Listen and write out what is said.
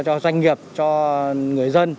doanh nghiệp cho người dân